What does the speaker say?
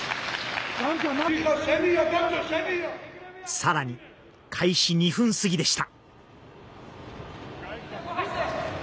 さらに開始２分すぎでした。